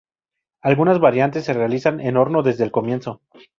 Algunas variantes se realizan en horno desde el comienzo.